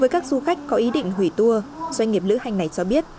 với các du khách có ý định hủy tour doanh nghiệp lữ hành này cho biết